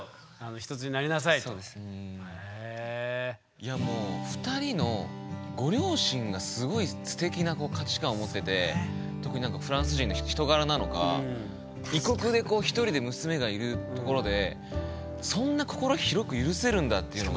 いやもう２人のご両親がすごいすてきな価値観を持ってて特にフランス人の人柄なのか異国で１人で娘がいるところでそんな心広く許せるんだっていうのが。